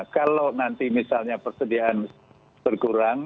kalau nanti misalnya persediaan berkurang